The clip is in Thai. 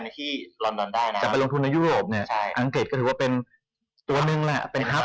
อย่างนี้เราอยากไปลงทุนในยุโรปเนี่ยอังกฤษก็ถือว่าเป็นตัวหนึ่งล่ะเป็นาร์บ